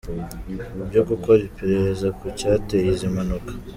byo gukora iperereza ku cyateye izi mpanuka.